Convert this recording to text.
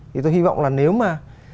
thì tôi hy vọng là nếu mà